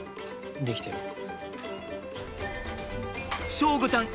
祥吾ちゃん